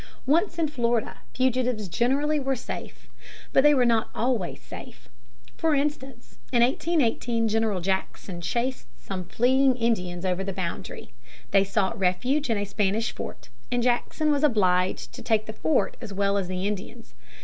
Once in Florida, fugitives generally were safe. But they were not always safe. For instance, in 1818 General Jackson chased some fleeing Indians over the boundary. They sought refuge in a Spanish fort, and Jackson was obliged to take the fort as well as the Indians.